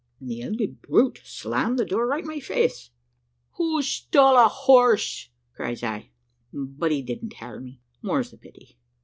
And the ugly brute slarnmed the door right in my face. "`Who stole a horse?' cries I; but he didn't hear me more's the pity.